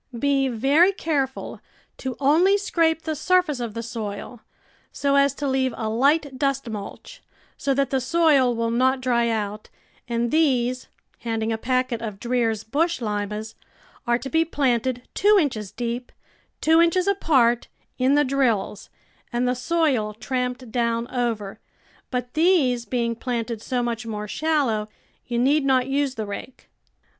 Be very careful to only scrape the surface of the soil, so as to leave a light dust mulch, so that the soil will not dry out; and these," handing a packet of Dreer's Bush Limas, " are to be planted two inches deep, two inches apart, in the drills, and the soil tramped down over, but these being planted so much more shallow, you need not use the rake.